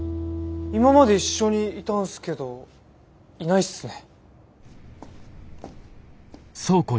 今まで一緒にいたんすけどいないっすね。